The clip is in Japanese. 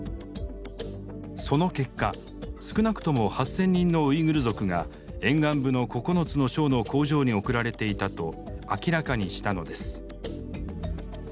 その結果少なくとも８，０００人のウイグル族が沿岸部の９つの省の工場に送られていたと明らかにしたのです。